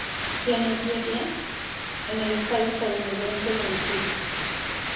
Genevieve en el estado estadounidense de Misuri.